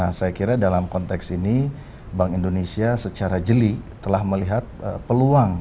nah saya kira dalam konteks ini bank indonesia secara jeli telah melihat peluang